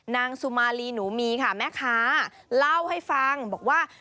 นางสุมาลีหนูมีค่ะแม่ค้าเล่าให้ฟังบอกว่า